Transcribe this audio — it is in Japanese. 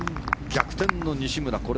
逆転の西村